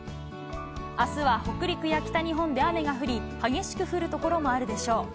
あすは北陸や北日本で雨が降り、激しく降る所もあるでしょう。